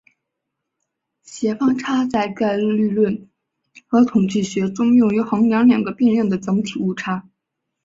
协方差在概率论和统计学中用于衡量两个变量的总体误差。